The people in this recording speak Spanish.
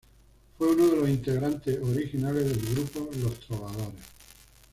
Fue uno de los integrantes originales del grupo Los Trovadores.